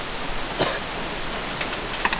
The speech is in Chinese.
现时正在建设交流道中。